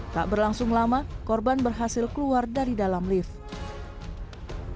tak berlangsung lama korban berhasil keluar dari dalam lift